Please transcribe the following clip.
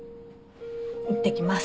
いってきます。